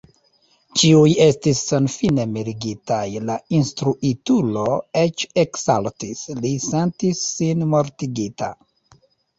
Ĉiuj estis senfine mirigitaj, la instruitulo eĉ eksaltis; li sentis sin mortigita!